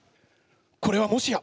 これはもしや！